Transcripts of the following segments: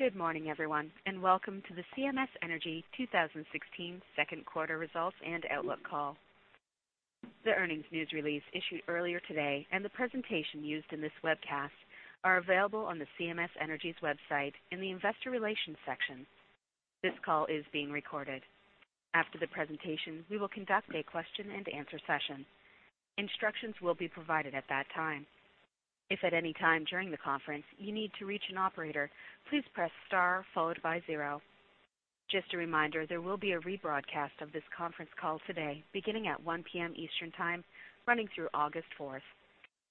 Good morning, everyone, and welcome to the CMS Energy 2016 second quarter results and outlook call. The earnings news release issued earlier today and the presentation used in this webcast are available on CMS Energy's website in the investor relations section. This call is being recorded. After the presentation, we will conduct a question and answer session. Instructions will be provided at that time. If at any time during the conference you need to reach an operator, please press star followed by zero. Just a reminder, there will be a rebroadcast of this conference call today beginning at 1:00 P.M. Eastern Time, running through August 4.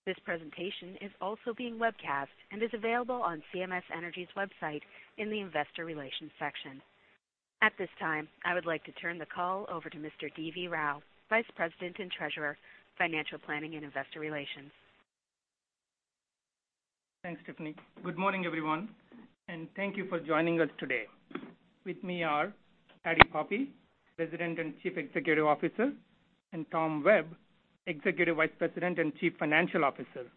This presentation is also being webcast and is available on CMS Energy's website in the investor relations section. At this time, I would like to turn the call over to Mr. DV Rao, Vice President and Treasurer, Financial Planning and Investor Relations. Thanks, Tiffany. Good morning, everyone. Thank you for joining us today. With me are Patti Poppe, President and Chief Executive Officer, and Tom Webb, Executive Vice President and Chief Financial Officer.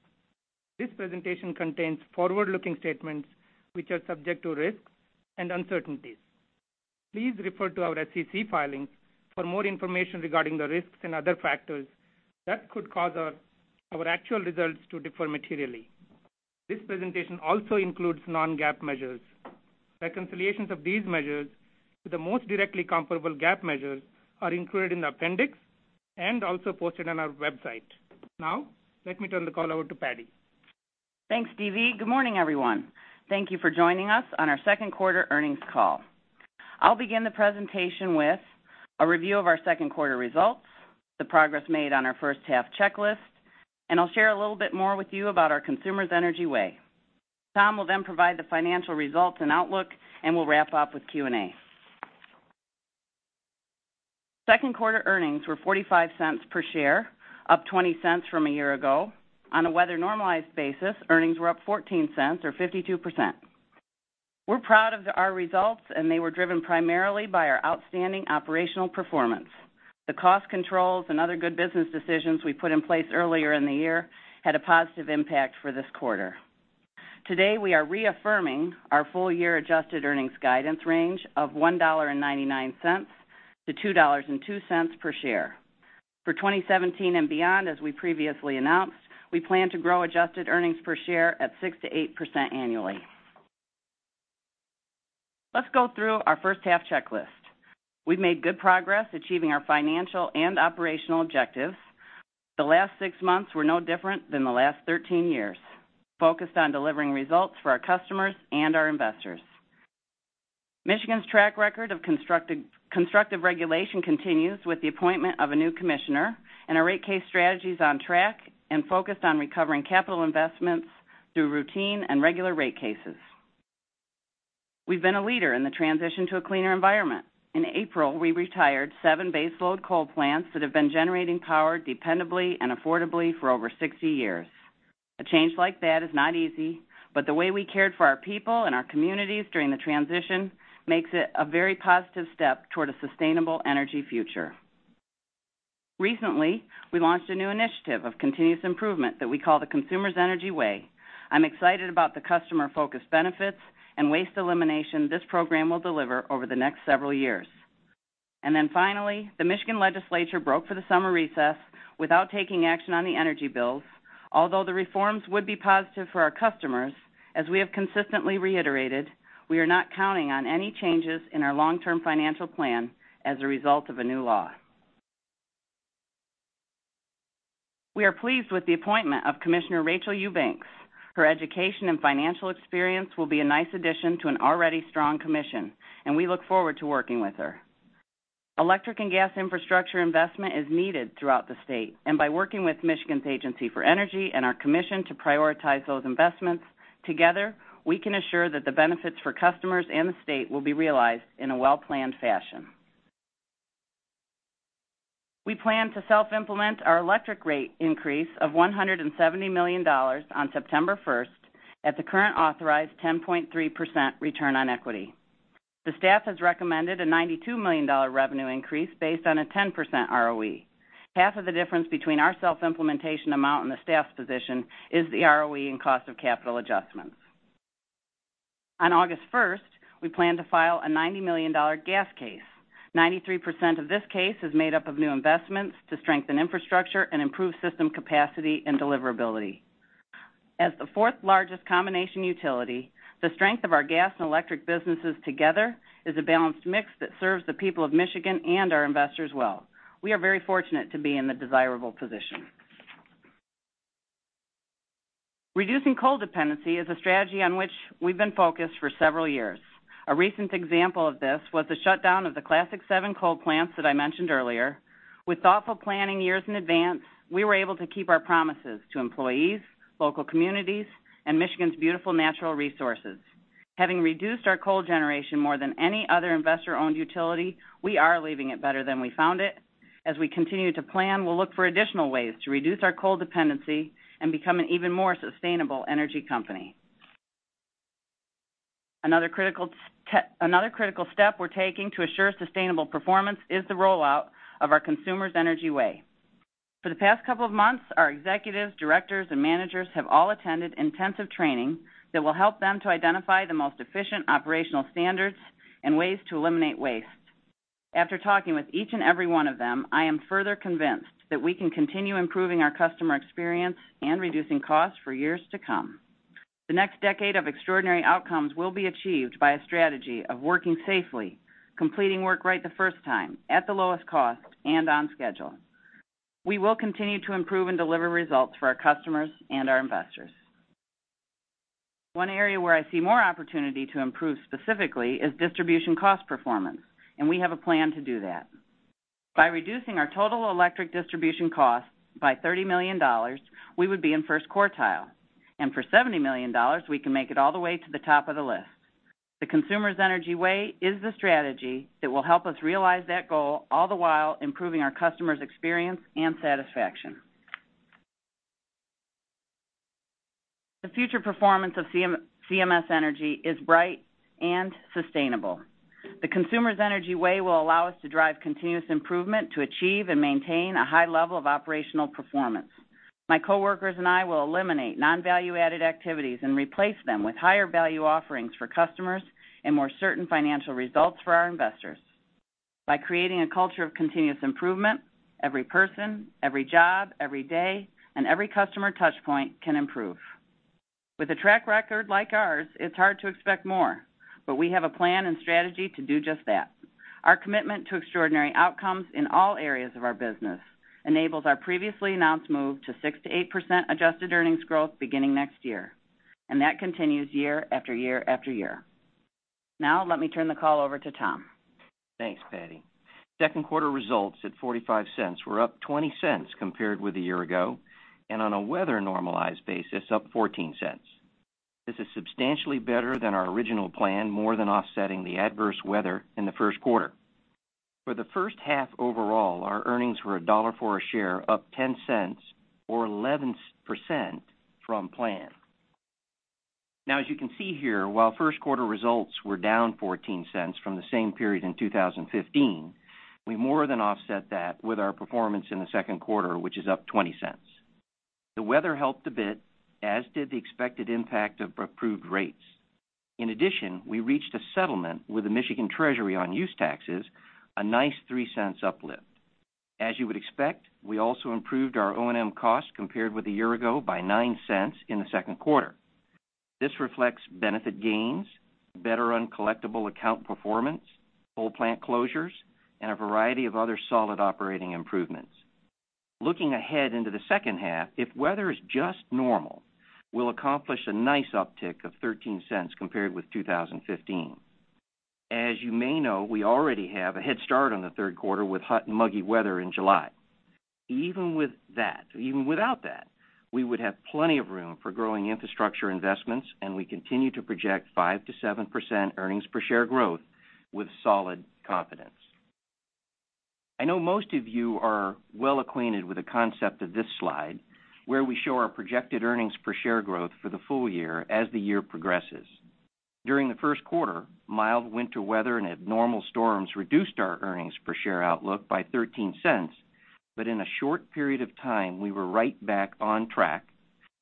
This presentation contains forward-looking statements which are subject to risks and uncertainties. Please refer to our SEC filings for more information regarding the risks and other factors that could cause our actual results to differ materially. This presentation also includes non-GAAP measures. Reconciliations of these measures to the most directly comparable GAAP measures are included in the appendix and also posted on our website. Now, let me turn the call over to Patti. Thanks, DV. Good morning, everyone. Thank you for joining us on our second quarter earnings call. I'll begin the presentation with a review of our second quarter results, the progress made on our first half checklist, and I'll share a little bit more with you about our Consumers Energy Way. Tom will then provide the financial results and outlook. We'll wrap up with Q&A. Second quarter earnings were $0.45 per share, up $0.20 from a year ago. On a weather normalized basis, earnings were up $0.14 or 52%. We're proud of our results. They were driven primarily by our outstanding operational performance. The cost controls and other good business decisions we put in place earlier in the year had a positive impact for this quarter. Today, we are reaffirming our full year adjusted earnings guidance range of $1.99 to $2.02 per share. For 2017 and beyond, as we previously announced, we plan to grow adjusted earnings per share at 6%-8% annually. Let's go through our first half checklist. We've made good progress achieving our financial and operational objectives. The last 6 months were no different than the last 13 years, focused on delivering results for our customers and our investors. Michigan's track record of constructive regulation continues with the appointment of a new commissioner. Our rate case strategy is on track and focused on recovering capital investments through routine and regular rate cases. We've been a leader in the transition to a cleaner environment. In April, we retired 7 base load coal plants that have been generating power dependably and affordably for over 60 years. A change like that is not easy, but the way we cared for our people and our communities during the transition makes it a very positive step toward a sustainable energy future. Recently, we launched a new initiative of continuous improvement that we call the Consumers Energy Way. I'm excited about the customer-focused benefits and waste elimination this program will deliver over the next several years. Finally, the Michigan legislature broke for the summer recess without taking action on the energy bills. Although the reforms would be positive for our customers, as we have consistently reiterated, we are not counting on any changes in our long-term financial plan as a result of a new law. We are pleased with the appointment of Commissioner Rachael Eubanks. Her education and financial experience will be a nice addition to an already strong commission, and we look forward to working with her. Electric and gas infrastructure investment is needed throughout the state. By working with Michigan's Agency for Energy and our commission to prioritize those investments, together, we can assure that the benefits for customers and the state will be realized in a well-planned fashion. We plan to self-implement our electric rate increase of $170 million on September 1st at the current authorized 10.3% return on equity. The staff has recommended a $92 million revenue increase based on a 10% ROE. Half of the difference between our self-implementation amount and the staff's position is the ROE and cost of capital adjustments. On August 1st, we plan to file a $90 million gas case. 93% of this case is made up of new investments to strengthen infrastructure and improve system capacity and deliverability. As the fourth largest combination utility, the strength of our gas and electric businesses together is a balanced mix that serves the people of Michigan and our investors well. We are very fortunate to be in the desirable position. Reducing coal dependency is a strategy on which we've been focused for several years. A recent example of this was the shutdown of the Classic Seven coal plants that I mentioned earlier. With thoughtful planning years in advance, we were able to keep our promises to employees, local communities, and Michigan's beautiful natural resources. Having reduced our coal generation more than any other investor-owned utility, we are leaving it better than we found it. As we continue to plan, we'll look for additional ways to reduce our coal dependency and become an even more sustainable energy company. Another critical step we're taking to assure sustainable performance is the rollout of our Consumers Energy Way. For the past couple of months, our executives, directors, and managers have all attended intensive training that will help them to identify the most efficient operational standards and ways to eliminate waste. After talking with each and every one of them, I am further convinced that we can continue improving our customer experience and reducing costs for years to come. The next decade of extraordinary outcomes will be achieved by a strategy of working safely, completing work right the first time, at the lowest cost, and on schedule. We will continue to improve and deliver results for our customers and our investors. One area where I see more opportunity to improve specifically is distribution cost performance. We have a plan to do that. By reducing our total electric distribution cost by $30 million, we would be in first quartile, and for $70 million, we can make it all the way to the top of the list. The Consumers Energy Way is the strategy that will help us realize that goal, all the while improving our customers' experience and satisfaction. The future performance of CMS Energy is bright and sustainable. The Consumers Energy Way will allow us to drive continuous improvement to achieve and maintain a high level of operational performance. My coworkers and I will eliminate non-value-added activities and replace them with higher-value offerings for customers and more certain financial results for our investors. By creating a culture of continuous improvement, every person, every job, every day, and every customer touchpoint can improve. With a track record like ours, it's hard to expect more, we have a plan and strategy to do just that. Our commitment to extraordinary outcomes in all areas of our business enables our previously announced move to 6%-8% adjusted earnings growth beginning next year, and that continues year, after year, after year. Let me turn the call over to Tom. Thanks, Patti. Second quarter results at $0.45 were up $0.20 compared with a year ago, and on a weather-normalized basis, up $0.14. This is substantially better than our original plan, more than offsetting the adverse weather in the first quarter. For the first half overall, our earnings were $1 for a share, up $0.10 or 11% from plan. As you can see here, while first quarter results were down $0.14 from the same period in 2015, we more than offset that with our performance in the second quarter, which is up $0.20. The weather helped a bit, as did the expected impact of approved rates. In addition, we reached a settlement with the Michigan Treasury on use taxes, a nice $0.03 uplift. As you would expect, we also improved our O&M costs compared with a year ago by $0.09 in the second quarter. This reflects benefit gains, better uncollectible account performance, whole plant closures, and a variety of other solid operating improvements. Looking ahead into the second half, if weather is just normal, we'll accomplish a nice uptick of $0.13 compared with 2015. As you may know, we already have a head start on the third quarter with hot and muggy weather in July. Even without that, we would have plenty of room for growing infrastructure investments, and we continue to project 5%-7% earnings-per-share growth with solid confidence. I know most of you are well acquainted with the concept of this slide, where we show our projected earnings-per-share growth for the full year as the year progresses. During the first quarter, mild winter weather and abnormal storms reduced our EPS outlook by $0.13, but in a short period of time, we were right back on track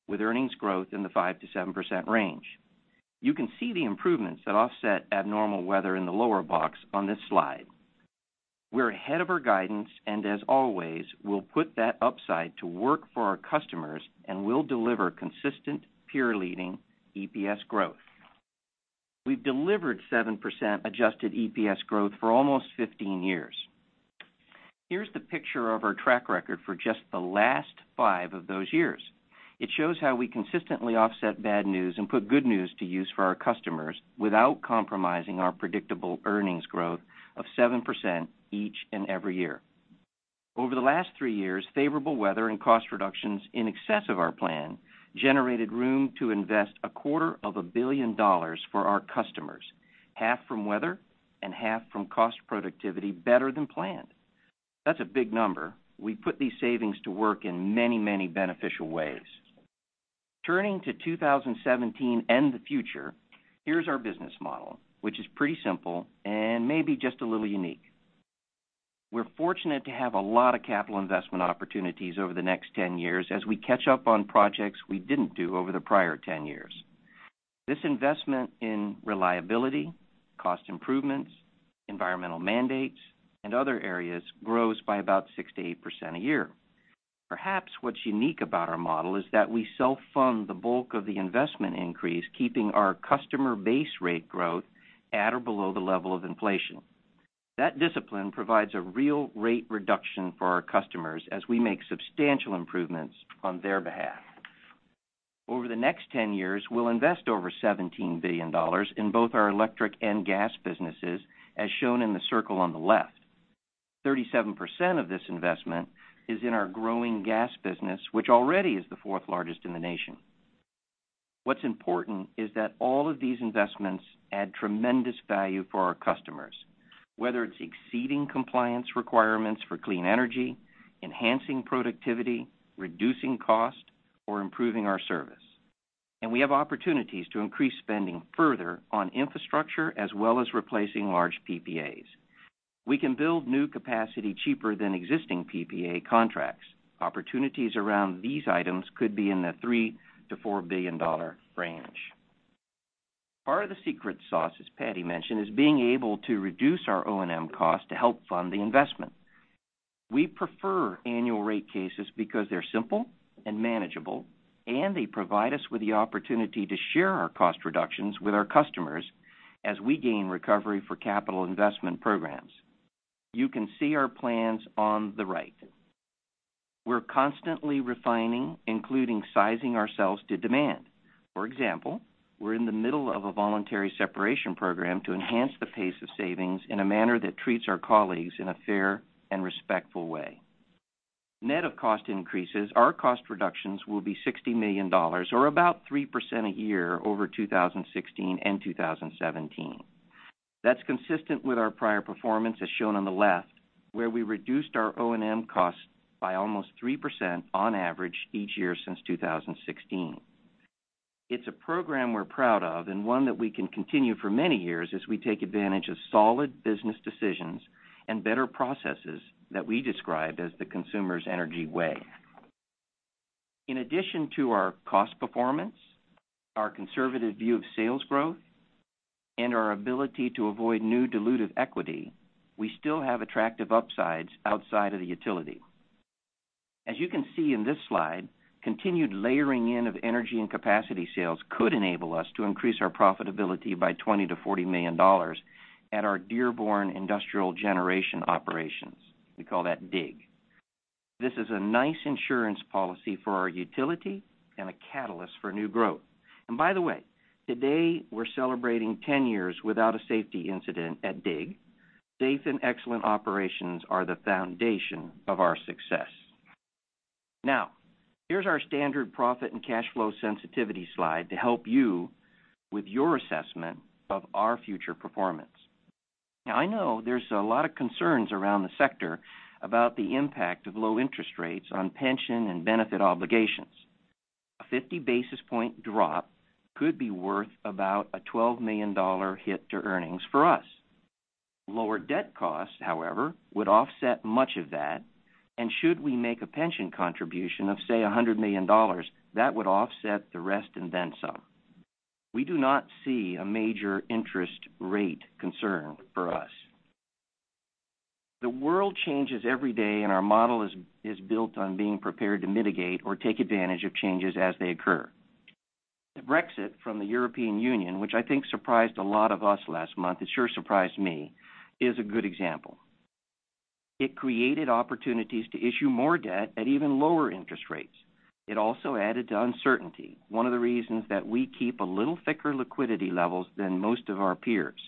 with earnings growth in the 5%-7% range. You can see the improvements that offset abnormal weather in the lower box on this slide. We're ahead of our guidance, and as always, we'll put that upside to work for our customers, and we'll deliver consistent, peer-leading EPS growth. We've delivered 7% adjusted EPS growth for almost 15 years. Here's the picture of our track record for just the last five of those years. It shows how we consistently offset bad news and put good news to use for our customers without compromising our predictable earnings growth of 7% each and every year. Over the last three years, favorable weather and cost reductions in excess of our plan generated room to invest a quarter of a billion dollars for our customers, half from weather and half from cost productivity, better than planned. That's a big number. We put these savings to work in many, many beneficial ways. Turning to 2017 and the future, here's our business model, which is pretty simple and maybe just a little unique. We're fortunate to have a lot of capital investment opportunities over the next 10 years as we catch up on projects we didn't do over the prior 10 years. This investment in reliability, cost improvements, environmental mandates, and other areas grows by about 6%-8% a year. Perhaps what's unique about our model is that we self-fund the bulk of the investment increase, keeping our customer base rate growth at or below the level of inflation. That discipline provides a real rate reduction for our customers as we make substantial improvements on their behalf. Over the next 10 years, we'll invest over $17 billion in both our electric and gas businesses, as shown in the circle on the left. 37% of this investment is in our growing gas business, which already is the fourth largest in the nation. What's important is that all of these investments add tremendous value for our customers, whether it's exceeding compliance requirements for clean energy, enhancing productivity, reducing cost, or improving our service. We have opportunities to increase spending further on infrastructure as well as replacing large PPAs. We can build new capacity cheaper than existing PPA contracts. Opportunities around these items could be in the $3 billion-$4 billion range. Part of the secret sauce, as Patti mentioned, is being able to reduce our O&M cost to help fund the investment. We prefer annual rate cases because they're simple and manageable, and they provide us with the opportunity to share our cost reductions with our customers as we gain recovery for capital investment programs. You can see our plans on the right. We're constantly refining, including sizing ourselves to demand. For example, we're in the middle of a voluntary separation program to enhance the pace of savings in a manner that treats our colleagues in a fair and respectful way. Net of cost increases, our cost reductions will be $60 million, or about 3% a year over 2016 and 2017. That's consistent with our prior performance, as shown on the left, where we reduced our O&M cost by almost 3% on average each year since 2016. It's a program we're proud of and one that we can continue for many years as we take advantage of solid business decisions and better processes that we describe as the Consumers Energy Way. In addition to our cost performance, our conservative view of sales growth, and our ability to avoid new dilutive equity, we still have attractive upsides outside of the utility. As you can see in this slide, continued layering in of energy and capacity sales could enable us to increase our profitability by $20 million-$40 million at our Dearborn Industrial Generation operations. We call that DIG. This is a nice insurance policy for our utility and a catalyst for new growth. By the way, today we're celebrating 10 years without a safety incident at DIG. Safe and excellent operations are the foundation of our success. Now, here's our standard profit and cash flow sensitivity slide to help you with your assessment of our future performance. Now, I know there's a lot of concerns around the sector about the impact of low interest rates on pension and benefit obligations. A 50-basis-point drop could be worth about a $12 million hit to earnings for us. Lower debt costs, however, would offset much of that, and should we make a pension contribution of, say, $100 million, that would offset the rest and then some. We do not see a major interest rate concern for us. The world changes every day, and our model is built on being prepared to mitigate or take advantage of changes as they occur. The Brexit from the European Union, which I think surprised a lot of us last month, it sure surprised me, is a good example. It created opportunities to issue more debt at even lower interest rates. It also added to uncertainty, one of the reasons that we keep a little thicker liquidity levels than most of our peers.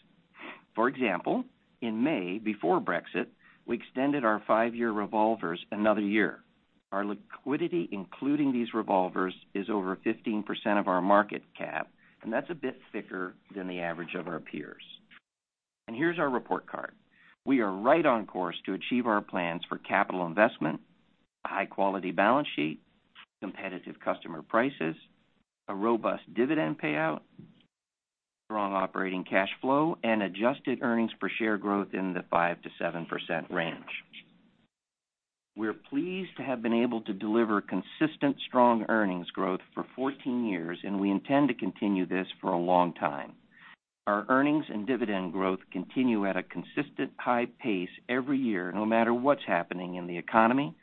For example, in May, before Brexit, we extended our 5-year revolvers another year. Our liquidity, including these revolvers, is over 15% of our market cap, and that's a bit thicker than the average of our peers. And here's our report card. We are right on course to achieve our plans for capital investment, a high-quality balance sheet, competitive customer prices, a robust dividend payout, strong operating cash flow, and adjusted earnings per share growth in the 5%-7% range. We're pleased to have been able to deliver consistent strong earnings growth for 14 years, and we intend to continue this for a long time. Our earnings and dividend growth continue at a consistent high pace every year, no matter what's happening in the economy,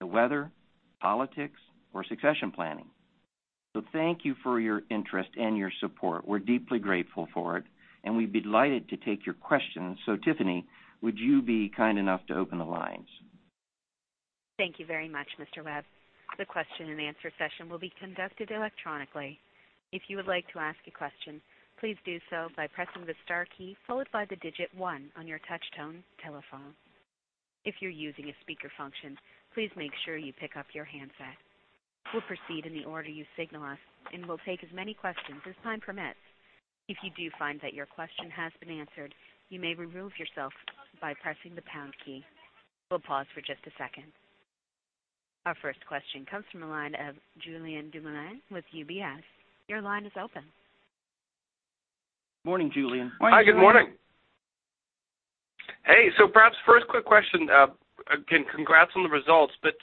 the weather, politics, or succession planning. Thank you for your interest and your support. We're deeply grateful for it, and we'd be delighted to take your questions. Tiffany, would you be kind enough to open the lines? Thank you very much, Mr. Webb. The question-and-answer session will be conducted electronically. If you would like to ask a question, please do so by pressing the star key followed by 1 on your touch-tone telephone. If you're using a speaker function, please make sure you pick up your handset. We'll proceed in the order you signal us, and we'll take as many questions as time permits. If you do find that your question has been answered, you may remove yourself by pressing the pound key. We'll pause for just a second. Our first question comes from the line of Julien Dumoulin-Smith with UBS. Your line is open. Morning, Julien. Morning, Julien. Hi, good morning. Hey, perhaps first quick question. Again, congrats on the results, but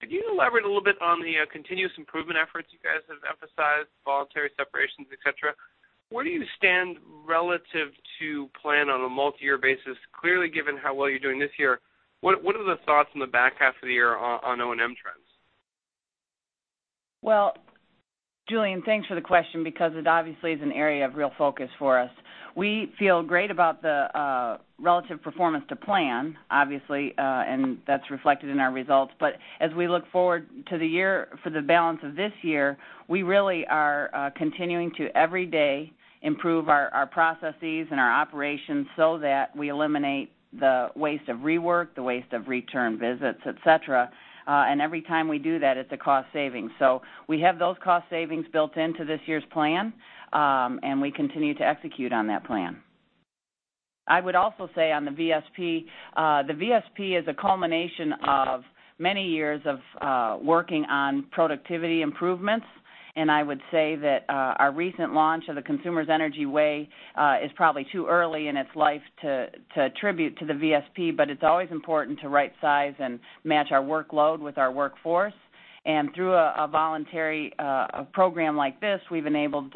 could you elaborate a little bit on the continuous improvement efforts you guys have emphasized, voluntary separations, et cetera? Where do you stand relative to plan on a multi-year basis? Clearly, given how well you're doing this year, what are the thoughts on the back half of the year on O&M trends? Well, Julien, thanks for the question because it obviously is an area of real focus for us. We feel great about the relative performance to plan, obviously, and that's reflected in our results. As we look forward to the year for the balance of this year, we really are continuing to, every day, improve our processes and our operations so that we eliminate the waste of rework, the waste of return visits, et cetera. Every time we do that, it's a cost saving. We have those cost savings built into this year's plan, and we continue to execute on that plan. I would also say on the VSP, the VSP is a culmination of many years of working on productivity improvements. I would say that our recent launch of the Consumers Energy Way is probably too early in its life to attribute to the VSP, but it's always important to right size and match our workload with our workforce. Through a voluntary program like this, we've enabled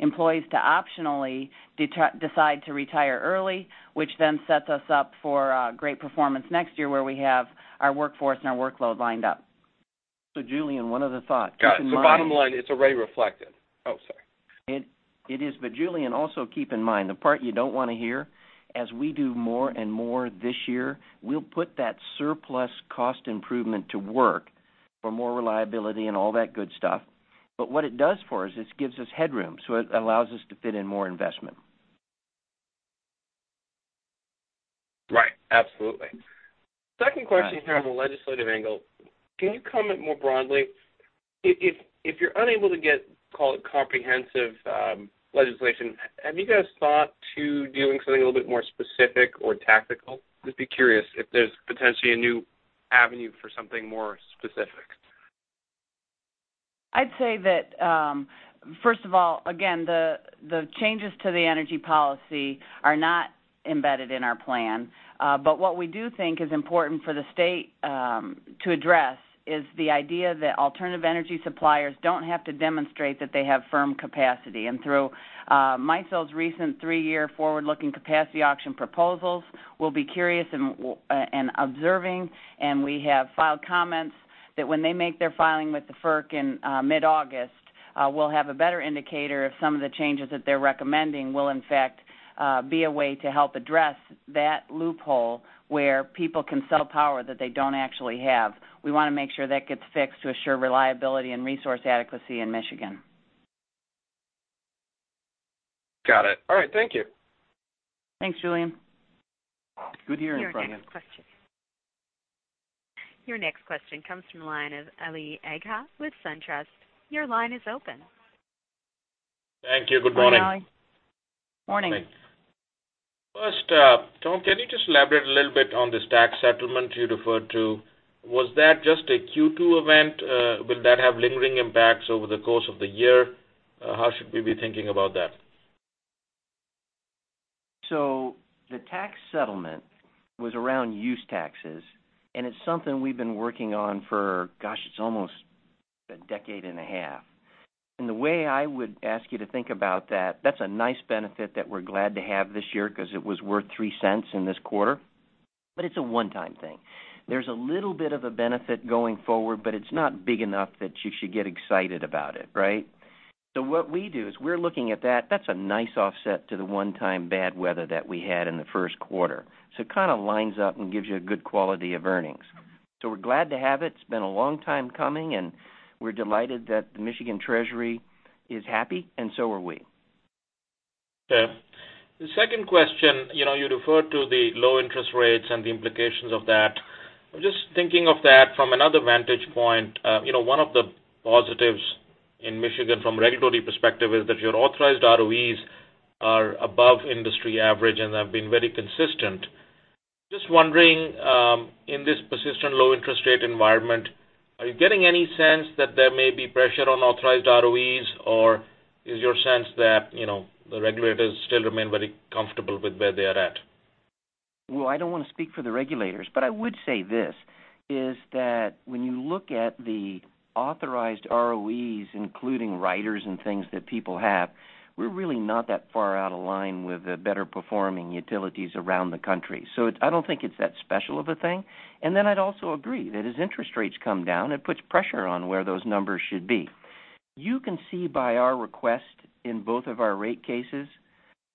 employees to optionally decide to retire early, which then sets us up for a great performance next year, where we have our workforce and our workload lined up. Julien, one other thought. Keep in mind- Got it. Bottom line, it's already reflected. Oh, sorry. It is. Julien, also keep in mind, the part you don't want to hear, as we do more and more this year, we'll put that surplus cost improvement to work for more reliability and all that good stuff. What it does for us, it gives us headroom. It allows us to fit in more investment. Right. Absolutely. Second question here on the legislative angle. Can you comment more broadly, if you're unable to get comprehensive legislation, have you guys thought to doing something a little bit more specific or tactical? Just be curious if there's potentially a new avenue for something more specific. I'd say that, first of all, again, the changes to the energy policy are not embedded in our plan. What we do think is important for the state to address is the idea that alternative energy suppliers don't have to demonstrate that they have firm capacity. Through MISO's recent three-year forward-looking capacity auction proposals, we'll be curious and observing, and we have filed comments that when they make their filing with the FERC in mid-August, we'll have a better indicator if some of the changes that they're recommending will in fact be a way to help address that loophole where people can sell power that they don't actually have. We want to make sure that gets fixed to assure reliability and resource adequacy in Michigan. Got it. All right. Thank you. Thanks, Julien. Good hearing from you. Your next question comes from the line of Ali Agha with SunTrust. Your line is open. Thank you. Good morning. Morning, Ali. Morning. Thanks. First, Tom, can you just elaborate a little bit on this tax settlement you referred to? Was that just a Q2 event? Will that have lingering impacts over the course of the year? How should we be thinking about that? The tax settlement was around use taxes, and it's something we've been working on for, gosh, it's almost a decade and a half. The way I would ask you to think about that's a nice benefit that we're glad to have this year because it was worth $0.03 in this quarter, but it's a one-time thing. There's a little bit of a benefit going forward, but it's not big enough that you should get excited about it, right? What we do is we're looking at that. That's a nice offset to the one-time bad weather that we had in the first quarter. It kind of lines up and gives you a good quality of earnings. We're glad to have it. It's been a long time coming, and we're delighted that the Michigan Treasury is happy, and so are we. Okay. The second question, you referred to the low interest rates and the implications of that. I'm just thinking of that from another vantage point. One of the positives in Michigan from a regulatory perspective is that your authorized ROEs are above industry average and have been very consistent. Just wondering, in this persistent low interest rate environment, are you getting any sense that there may be pressure on authorized ROEs? Or is your sense that the regulators still remain very comfortable with where they are at? I don't want to speak for the regulators, but I would say this, is that when you look at the authorized ROEs, including riders and things that people have, we're really not that far out of line with the better-performing utilities around the country. I don't think it's that special of a thing. I'd also agree that as interest rates come down, it puts pressure on where those numbers should be. You can see by our request in both of our rate cases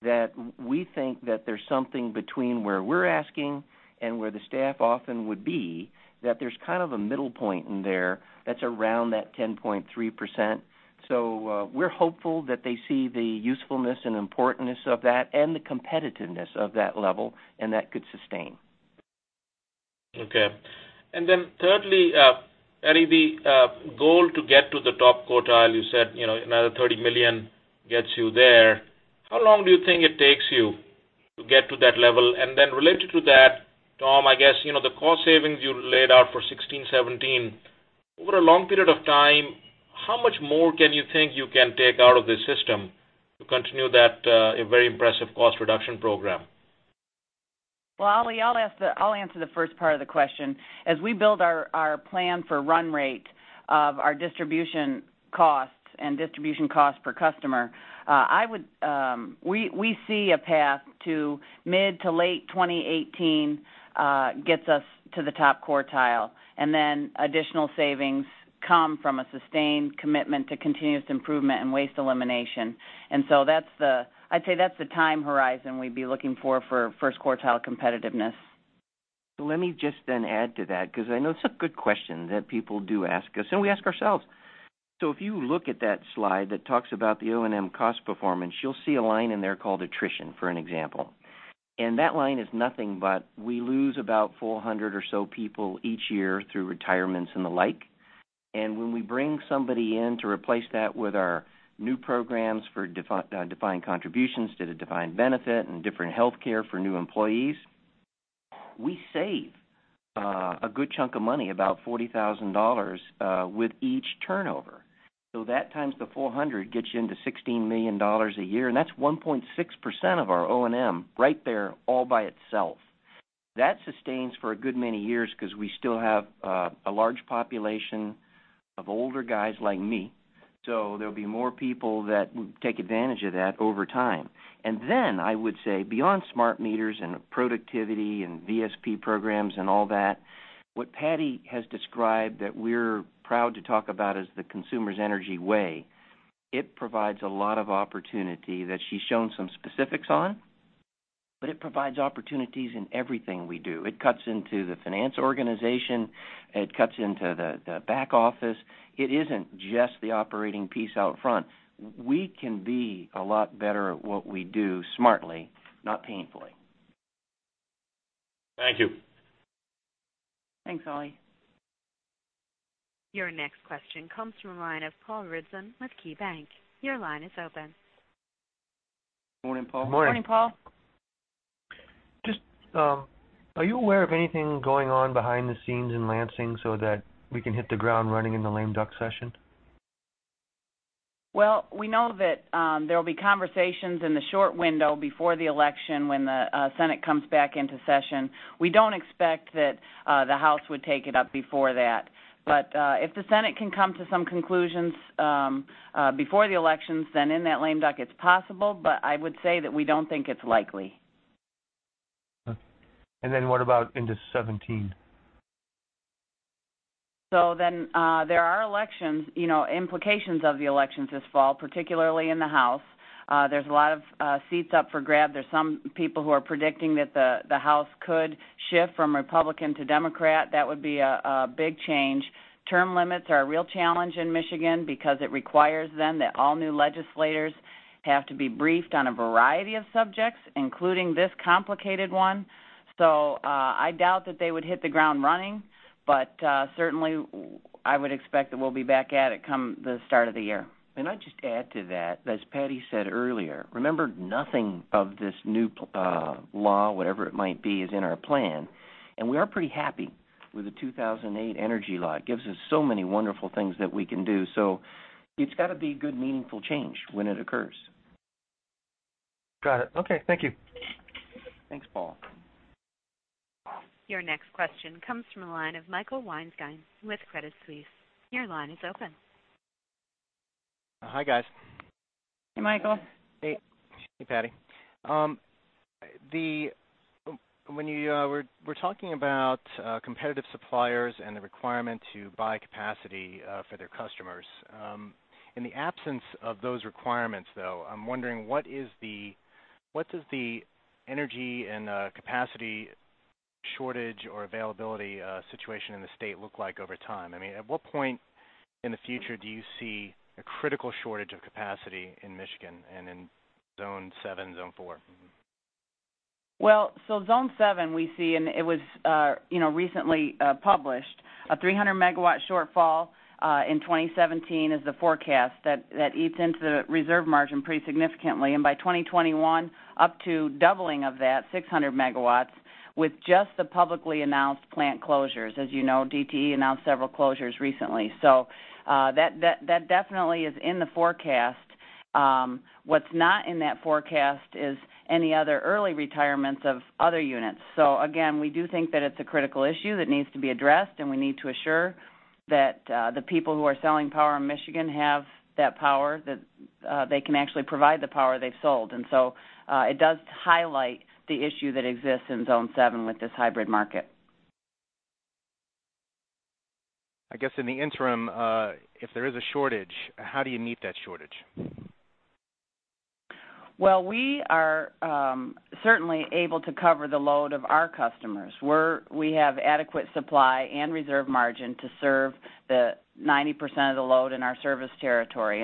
that we think that there's something between where we're asking and where the staff often would be, that there's kind of a middle point in there that's around that 10.3%. We're hopeful that they see the usefulness and importance of that and the competitiveness of that level and that could sustain. Okay. Thirdly, that'll be, the goal to get to the top quartile, you said another $30 million gets you there. How long do you think it takes you to get to that level? Related to that, Tom, I guess the cost savings you laid out for 2016, 2017, over a long period of time, how much more can you think you can take out of the system to continue that very impressive cost reduction program? Well, Ali, I'll answer the first part of the question. As we build our plan for run rate of our distribution costs and distribution cost per customer, we see a path to mid to late 2018 gets us to the top quartile. Additional savings come from a sustained commitment to continuous improvement and waste elimination. I'd say that's the time horizon we'd be looking for first quartile competitiveness. Let me just then add to that, because I know it's a good question that people do ask us, and we ask ourselves. If you look at that slide that talks about the O&M cost performance, you'll see a line in there called attrition, for an example. That line is nothing but we lose about 400 or so people each year through retirements and the like. When we bring somebody in to replace that with our new programs for defined contributions to the defined benefit and different healthcare for new employees, we save a good chunk of money, about $40,000, with each turnover. That times the 400 gets you into $16 million a year, and that's 1.6% of our O&M right there all by itself. That sustains for a good many years because we still have a large population of older guys like me, so there'll be more people that would take advantage of that over time. I would say, beyond smart meters and productivity and VSP programs and all that, what Patti has described that we're proud to talk about is the Consumers Energy Way. It provides a lot of opportunity that she's shown some specifics on, but it provides opportunities in everything we do. It cuts into the finance organization. It cuts into the back office. It isn't just the operating piece out front. We can be a lot better at what we do smartly, not painfully. Thank you. Thanks, Ali. Your next question comes from the line of Paul Ridzon with KeyBanc. Your line is open. Morning, Paul. Morning, Paul. Morning. Just, are you aware of anything going on behind the scenes in Lansing so that we can hit the ground running in the lame duck session? Well, we know that there will be conversations in the short window before the election when the Senate comes back into session. We don't expect that the House would take it up before that. If the Senate can come to some conclusions before the elections, then in that lame duck, it's possible, but I would say that we don't think it's likely. What about into 2017? There are elections, implications of the elections this fall, particularly in the House. There's a lot of seats up for grab. There's some people who are predicting that the House could shift from Republican to Democrat. That would be a big change. Term limits are a real challenge in Michigan because it requires then that all new legislators have to be briefed on a variety of subjects, including this complicated one. I doubt that they would hit the ground running, but certainly, I would expect that we'll be back at it come the start of the year. May I just add to that, as Patti said earlier, remember nothing of this new law, whatever it might be, is in our plan. We are pretty happy with the 2008 energy law. It gives us so many wonderful things that we can do. It's got to be good, meaningful change when it occurs. Got it. Okay. Thank you. Thanks, Paul. Your next question comes from the line of Michael Weinstein with Credit Suisse. Your line is open. Hi, guys. Hey, Michael. Hey. Hey, Patti. When you were talking about competitive suppliers and the requirement to buy capacity for their customers, in the absence of those requirements, though, I'm wondering, what does the energy and capacity shortage or availability situation in the state look like over time? I mean, at what point in the future do you see a critical shortage of capacity in Michigan and in Zone 7, Zone 4? Well, Zone 7, we see, and it was recently published, a 300 MW shortfall in 2017 is the forecast that eats into the reserve margin pretty significantly. By 2021, up to doubling of that, 600 MW, with just the publicly announced plant closures. As you know, DTE announced several closures recently. That definitely is in the forecast. What's not in that forecast is any other early retirements of other units. Again, we do think that it's a critical issue that needs to be addressed, and we need to assure that the people who are selling power in Michigan have that power, that they can actually provide the power they've sold. It does highlight the issue that exists in Zone 7 with this hybrid market. I guess in the interim, if there is a shortage, how do you meet that shortage? Well, we are certainly able to cover the load of our customers. We have adequate supply and reserve margin to serve the 90% of the load in our service territory.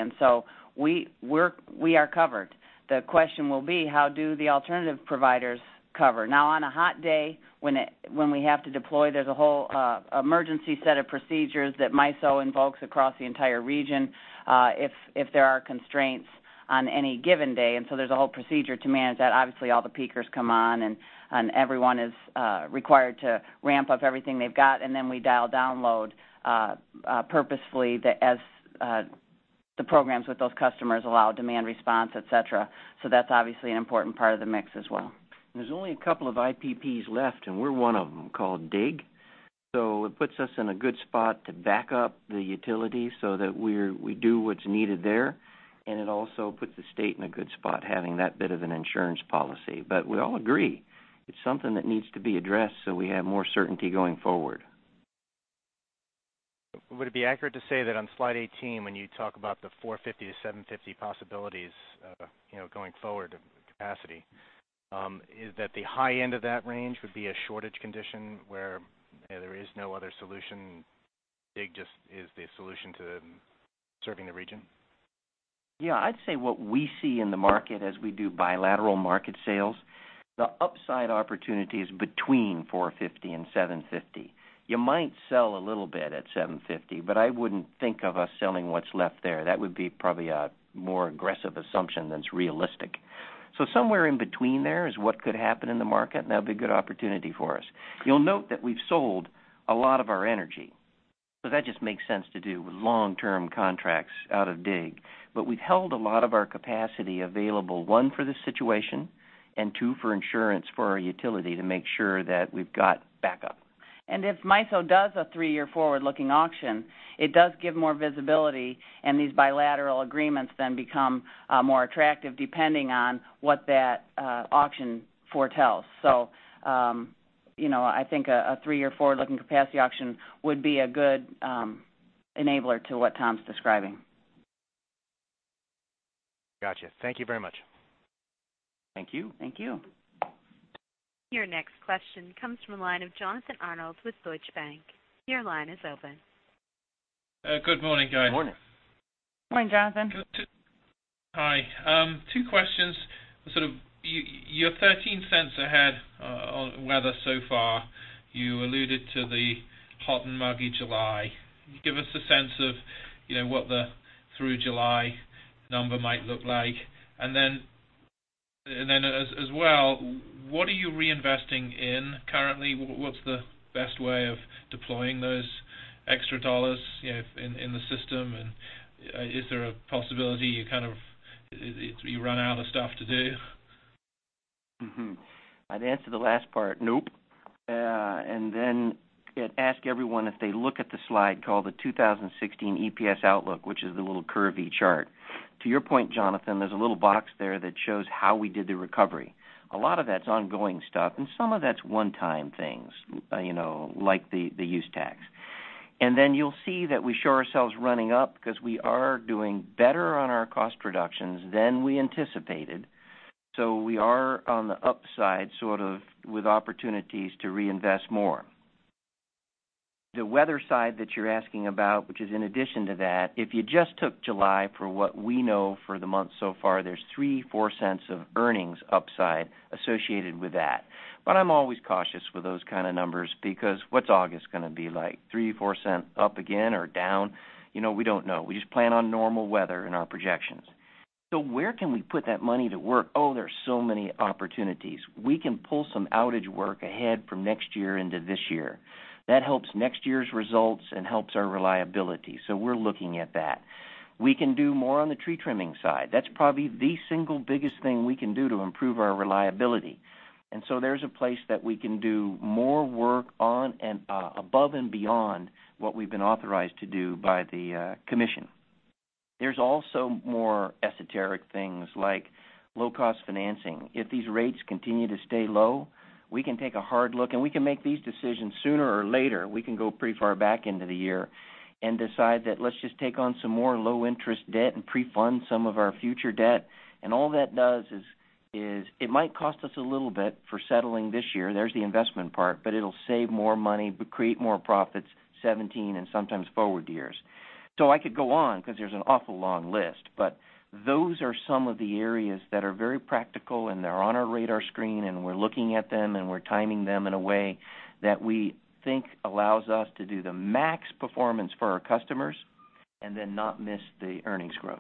We are covered. The question will be, how do the alternative providers cover? Now on a hot day when we have to deploy, there's a whole emergency set of procedures that MISO invokes across the entire region if there are constraints on any given day. There's a whole procedure to manage that. Obviously, all the peakers come on, everyone is required to ramp up everything they've got, then we dial down load purposefully as the programs with those customers allow demand response, et cetera. That's obviously an important part of the mix as well. There's only a couple of IPPs left, and we're one of them, called DIG. It puts us in a good spot to back up the utility so that we do what's needed there, and it also puts the state in a good spot having that bit of an insurance policy. We all agree it's something that needs to be addressed so we have more certainty going forward. Would it be accurate to say that on slide 18, when you talk about the 450 to 750 possibilities going forward of capacity, is that the high end of that range would be a shortage condition where there is no other solution, DIG just is the solution to serving the region? Yeah, I'd say what we see in the market as we do bilateral market sales, the upside opportunity is between 450 and 750. You might sell a little bit at 750, but I wouldn't think of us selling what's left there. That would be probably a more aggressive assumption than is realistic. Somewhere in between there is what could happen in the market, and that would be a good opportunity for us. You'll note that we've sold a lot of our energy. That just makes sense to do with long-term contracts out of DIG. We've held a lot of our capacity available, one, for this situation, and two, for insurance for our utility to make sure that we've got backup. If MISO does a three-year forward-looking auction, it does give more visibility, and these bilateral agreements then become more attractive depending on what that auction foretells. I think a three-year forward-looking capacity auction would be a good enabler to what Tom's describing. Gotcha. Thank you very much. Thank you. Thank you. Your next question comes from the line of Jonathan Arnold with Deutsche Bank. Your line is open. Good morning, guys. Morning. Morning, Jonathan. Hi. Two questions. You're $0.13 ahead on weather so far. You alluded to the hot and muggy July. Can you give us a sense of what the through July number might look like? As well, what are you reinvesting in currently? What's the best way of deploying those extra dollars in the system? Is there a possibility you run out of stuff to do? I'd answer the last part. Nope. I'd ask everyone, if they look at the slide called the 2016 EPS Outlook, which is the little curvy chart. To your point, Jonathan, there's a little box there that shows how we did the recovery. A lot of that's ongoing stuff, and some of that's one-time things, like the use tax. You'll see that we show ourselves running up because we are doing better on our cost reductions than we anticipated. We are on the upside with opportunities to reinvest more. The weather side that you're asking about, which is in addition to that, if you just took July for what we know for the month so far, there's $0.03, $0.04 of earnings upside associated with that. I'm always cautious with those kind of numbers because what's August going to be like? $0.03, $0.04 up again or down? We don't know. We just plan on normal weather in our projections. Where can we put that money to work? Oh, there's so many opportunities. We can pull some outage work ahead from next year into this year. That helps next year's results and helps our reliability. We're looking at that. We can do more on the tree trimming side. That's probably the single biggest thing we can do to improve our reliability. There's a place that we can do more work on and above and beyond what we've been authorized to do by the Commission. There's also more esoteric things like low-cost financing. If these rates continue to stay low, we can take a hard look, and we can make these decisions sooner or later. We can go pretty far back into the year and decide that let's just take on some more low-interest debt and pre-fund some of our future debt. All that does is it might cost us a little bit for settling this year. There's the investment part. It'll save more money, create more profits 2017 and sometimes forward years. I could go on because there's an awful long list, but those are some of the areas that are very practical, and they're on our radar screen, and we're looking at them, and we're timing them in a way that we think allows us to do the max performance for our customers and then not miss the earnings growth.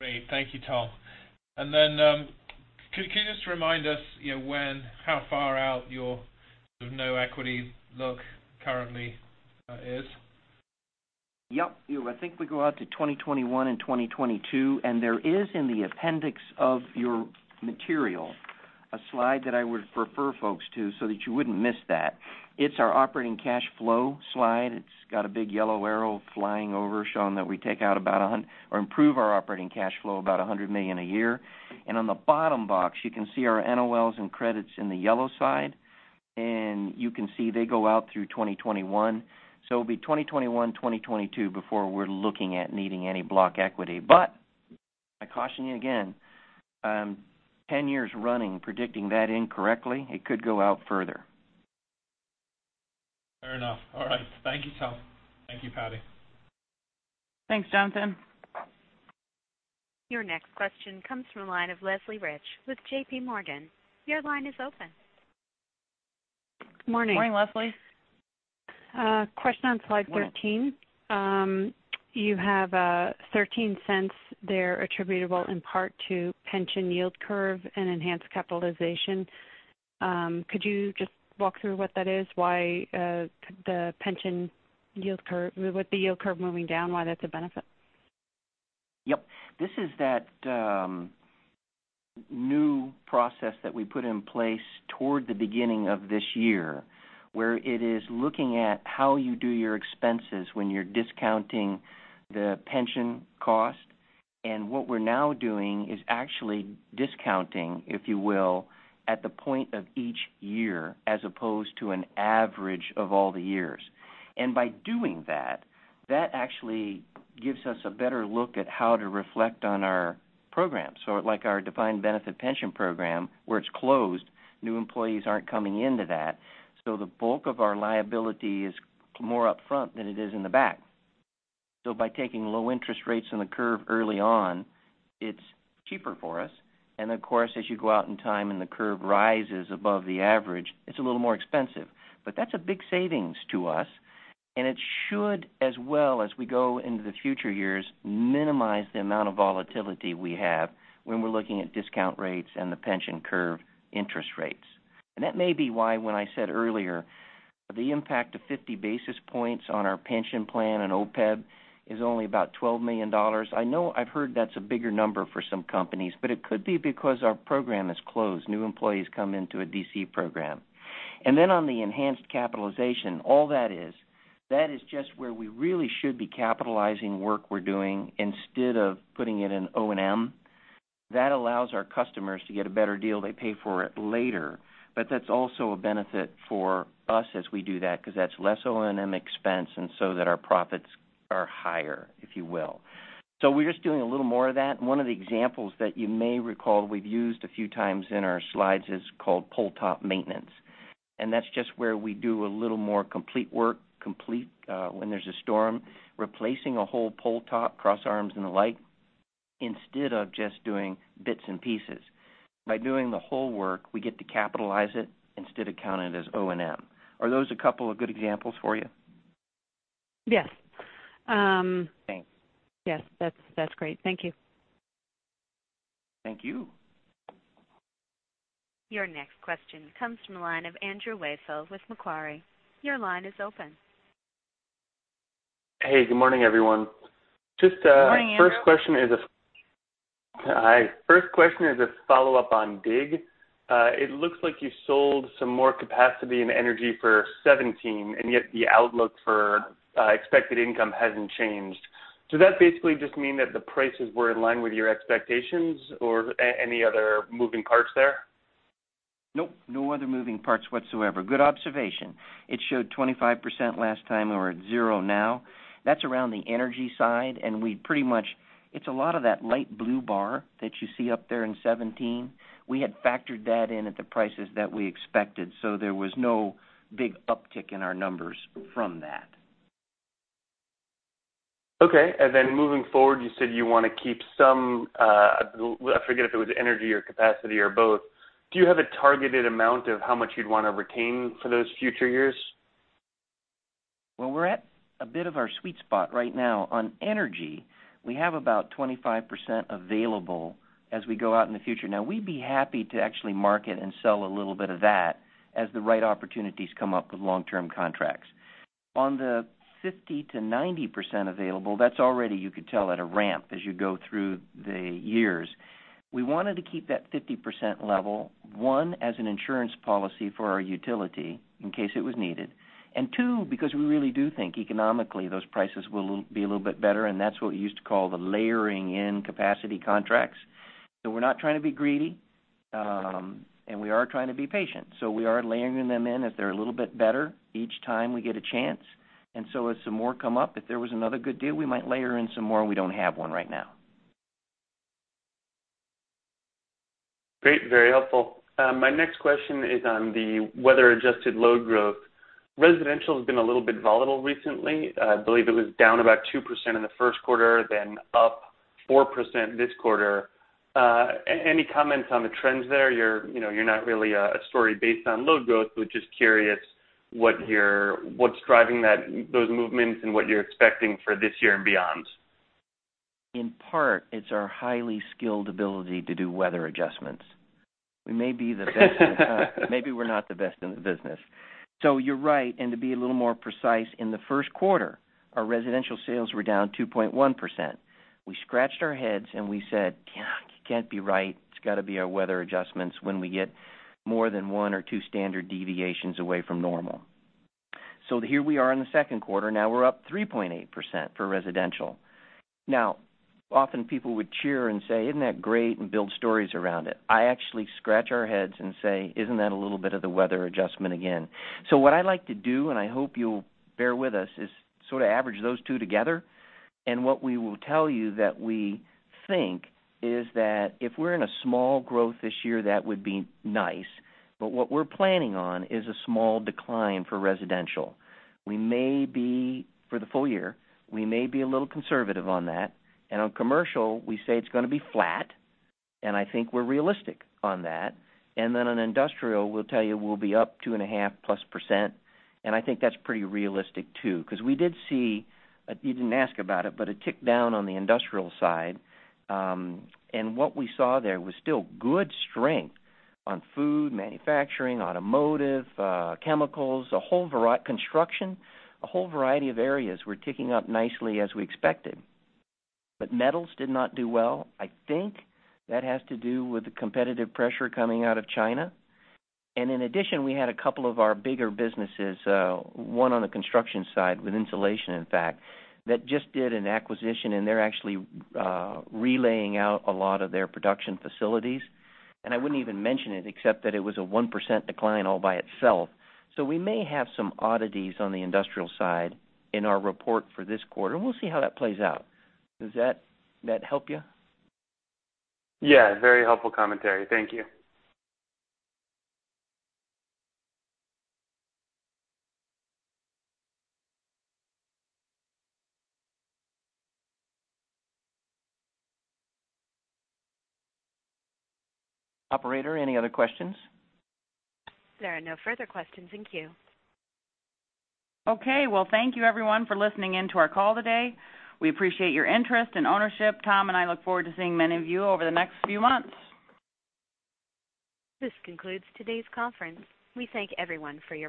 Great. Thank you, Tom. Then can you just remind us how far out your no equity look currently is? Yep. I think we go out to 2021 and 2022, there is in the appendix of your material a slide that I would refer folks to so that you wouldn't miss that. It's our operating cash flow slide. It's got a big yellow arrow flying over showing that we improve our operating cash flow about $100 million a year. On the bottom box, you can see our NOLs and credits in the yellow side. You can see they go out through 2021. It'll be 2021, 2022 before we're looking at needing any block equity. I caution you again, 10 years running predicting that incorrectly, it could go out further. Fair enough. All right. Thank you, Tom. Thank you, Patti. Thanks, Jonathan. Your next question comes from the line of Leslie Rich with J.P. Morgan. Your line is open. Morning. Morning, Leslie. Question on slide 13. Morning. You have $0.13 there attributable in part to pension yield curve and enhanced capitalization. Could you just walk through what that is? With the yield curve moving down, why that's a benefit? Yep. This is that new process that we put in place toward the beginning of this year, where it is looking at how you do your expenses when you're discounting the pension cost. What we're now doing is actually discounting, if you will, at the point of each year as opposed to an average of all the years. By doing that actually gives us a better look at how to reflect on our programs. Like our defined benefit pension program, where it's closed, new employees aren't coming into that. The bulk of our liability is more upfront than it is in the back. By taking low interest rates in the curve early on, it's cheaper for us. Of course, as you go out in time and the curve rises above the average, it's a little more expensive. That's a big savings to us, and it should, as well as we go into the future years, minimize the amount of volatility we have when we're looking at discount rates and the pension curve interest rates. That may be why, when I said earlier, the impact of 50 basis points on our pension plan and OPEB is only about $12 million. I know I've heard that's a bigger number for some companies, it could be because our program is closed. New employees come into a DC program. Then on the enhanced capitalization, all that is, that is just where we really should be capitalizing work we're doing instead of putting it in O&M. That allows our customers to get a better deal. They pay for it later. That's also a benefit for us as we do that because that's less O&M expense and so that our profits are higher, if you will. We're just doing a little more of that. One of the examples that you may recall we've used a few times in our slides is called pole top maintenance. That's just where we do a little more complete work, when there's a storm, replacing a whole pole top, cross arms and the like, instead of just doing bits and pieces. By doing the whole work, we get to capitalize it instead of count it as O&M. Are those a couple of good examples for you? Yes. Thanks. Yes, that's great. Thank you. Thank you. Your next question comes from the line of Andrew Weisel with Macquarie. Your line is open. Hey, good morning, everyone. Good morning, Andrew. Just first question. Hi. First question is a follow-up on DIG. It looks like you sold some more capacity and energy for 2017. Yet the outlook for expected income hasn't changed. Does that basically just mean that the prices were in line with your expectations or any other moving parts there? Nope. No other moving parts whatsoever. Good observation. It showed 25% last time. We're at 0 now. That's around the energy side, and we pretty much, it's a lot of that light blue bar that you see up there in 2017. We had factored that in at the prices that we expected, so there was no big uptick in our numbers from that. Okay. Moving forward, you said you want to keep some, I forget if it was energy or capacity or both. Do you have a targeted amount of how much you'd want to retain for those future years? Well, we're at a bit of our sweet spot right now. On energy, we have about 25% available as we go out in the future. Now, we'd be happy to actually market and sell a little bit of that as the right opportunities come up with long-term contracts. On the 50%-90% available, that's already, you could tell, at a ramp as you go through the years. We wanted to keep that 50% level, one, as an insurance policy for our utility in case it was needed, and two, because we really do think economically, those prices will be a little bit better, and that's what we used to call the layering in capacity contracts. We're not trying to be greedy, and we are trying to be patient. We are layering them in if they're a little bit better each time we get a chance. As some more come up, if there was another good deal, we might layer in some more. We don't have one right now. Great. Very helpful. My next question is on the weather-adjusted load growth. Residential has been a little bit volatile recently. I believe it was down about 2% in the first quarter, then up 4% this quarter. Any comments on the trends there? You're not really a story based on load growth, but just curious what's driving that, those movements and what you're expecting for this year and beyond. In part, it's our highly skilled ability to do weather adjustments. We may be the best- Maybe we're not the best in the business. You're right. To be a little more precise, in the first quarter, our residential sales were down 2.1%. We scratched our heads and we said, "Can't be right. It's got to be our weather adjustments when we get more than one or two standard deviations away from normal." Here we are in the second quarter. We're up 3.8% for residential. Often people would cheer and say, "Isn't that great?" Build stories around it. I actually scratch our heads and say, "Isn't that a little bit of the weather adjustment again?" What I like to do, and I hope you'll bear with us, is sort of average those two together. What we will tell you that we think is that if we're in a small growth this year, that would be nice. What we're planning on is a small decline for residential. We may be, for the full year, we may be a little conservative on that. On commercial, we say it's going to be flat, and I think we're realistic on that. On industrial, we'll tell you we'll be up 2.5%+, and I think that's pretty realistic, too. Because we did see, you didn't ask about it, but a tick down on the industrial side. What we saw there was still good strength on food, manufacturing, automotive, chemicals, a whole variety of areas were ticking up nicely as we expected. Metals did not do well. I think that has to do with the competitive pressure coming out of China. In addition, we had a couple of our bigger businesses, one on the construction side with insulation, in fact, that just did an acquisition, and they're actually relaying out a lot of their production facilities. I wouldn't even mention it, except that it was a 1% decline all by itself. We may have some oddities on the industrial side in our report for this quarter. We'll see how that plays out. Does that help you? Yeah, very helpful commentary. Thank you. Operator, any other questions? There are no further questions in queue. Okay, well, thank you everyone for listening in to our call today. We appreciate your interest and ownership. Tom and I look forward to seeing many of you over the next few months. This concludes today's conference. We thank everyone for your participation.